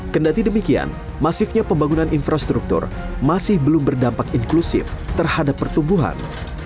kendati demikian masifnya pembangunan infrastruktur masih belum berdampak inklusif terhadap pertumbuhan